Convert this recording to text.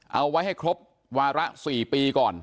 เอาไว้ให้ครบวาระ๔ปีก่อน